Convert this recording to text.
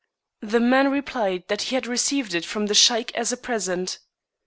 The man replied that he had received it from the Sheik as a present.